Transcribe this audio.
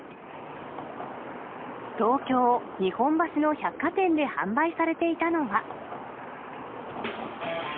東京・日本橋の百貨店で販売されていたのは。